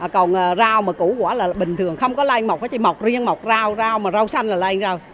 còn rau mà cũ quá là bình thường không có lanh mọc chỉ mọc riêng mọc rau rau mà rau xanh là lanh rau